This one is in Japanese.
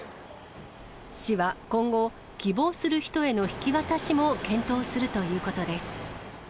市は今後、希望する人への引き渡しも検討するということです。